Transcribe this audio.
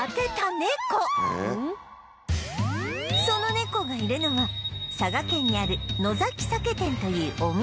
その猫がいるのは佐賀県にある野崎酒店というお店